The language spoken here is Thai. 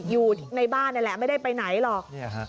อยู่ในบ้านนี่แหละไม่ได้ไปไหนหรอก